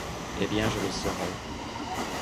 Eh bien je le saurai